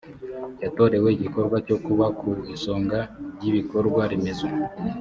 yatorewe igikorwa cyo kuba ku isonga ry ibikorwa remezo